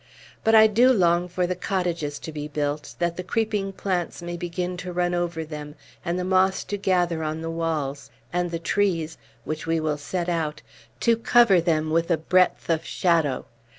But I do long for the cottages to be built, that the creeping plants may begin to run over them, and the moss to gather on the walls, and the trees which we will set out to cover them with a breadth of shadow.